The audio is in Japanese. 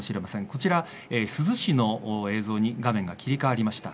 こちら、珠洲市の映像に画面が切り替わりました。